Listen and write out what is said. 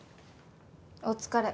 お疲れ。